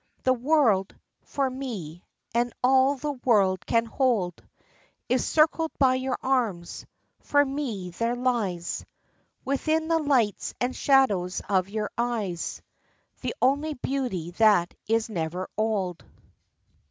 The world, for me, and all the world can hold Is circled by your arms; for me there lies, Within the lights and shadows of your eyes, The only beauty that is never old.